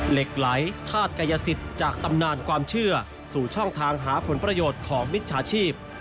เหล็กไหลธาตุกายสิทธิ์จากตำนานความเชื่อสู่ช่องทางหาผลประโยชน์ของมิจฉาชีพ